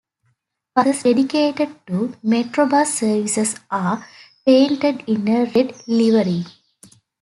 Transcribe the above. Buses dedicated to Metrobus services are painted in a red livery.